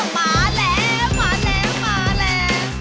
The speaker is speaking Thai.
มาแล้วมาแล้วมาแล้ว